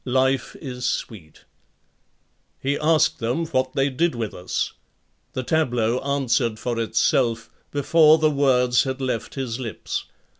Life is sweet. He asked them what they did with us. The tableau answered for itself before the words had left his lips.